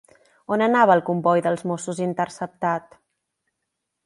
On anava el comboi dels Mossos interceptat?